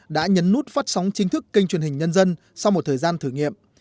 đã nhấn nút phát sóng chính thức kênh truyền hình nhân dân sau một thời gian thử nghiệm